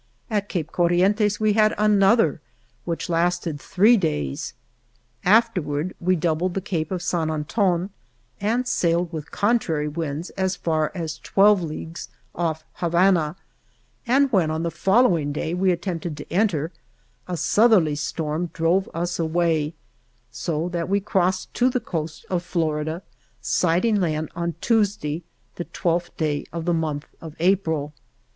At Cape Cor rientes we had another, which lasted three days. Afterward we doubled the Cape of Sant Anton and sailed with contrary winds as far as twelve leagues off Habana, and when, on the following day, we attempted to enter, a southerly storm drove us away, so 8 ALVAR NUNEZ CABEZA DE VACA that we crossed to the coast of Florida, sighting land on Tuesday, the 12th day of the month of April.